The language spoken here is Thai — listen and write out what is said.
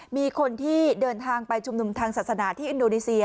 มีคนที่เดินทางไปชุมนุมทางศาสนาที่อินโดนีเซีย